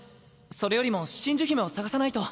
それよりも真珠姫を捜さないと。